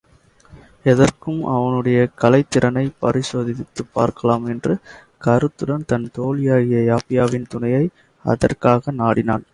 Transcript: எதற்கும் அவனுடைய கலைத்திறனைப் பரிசோதித்துப் பார்க்கலாம் என்ற கருத்துடன் தன் தோழியாகிய யாப்பியாயினியின் துணையை அதற்காக நாடினாள்.